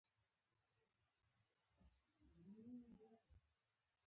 له ټولو ګناهونو مې توبه وکړه.